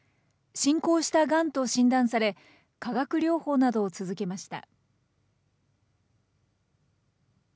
進行したがんと診断され、化学療法などを続けました。